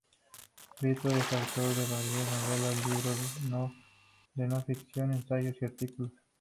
Prieto es autor de varias novelas, libros de no ficción, ensayos y artículos.